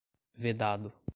vedado